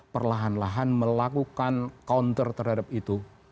perlahan lahan melakukan counter terhadap itu